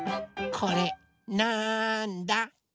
これなんだ？